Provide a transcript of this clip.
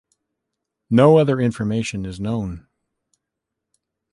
No other information is known.